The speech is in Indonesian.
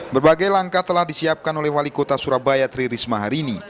berbagai langkah telah disiapkan oleh wali kota surabaya tri risma hari ini